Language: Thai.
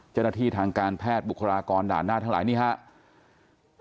จะได้ที่ทางการแพทย์บุคลากรด่าน่าทั้งหลายนี่ครับ